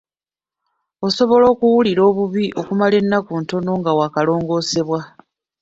Osobola okuwulira obubi okumala ennaku ntono nga waakalongoosebwa.